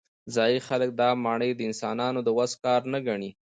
ځايي خلک دا ماڼۍ د انسانانو د وس کار نه ګڼي.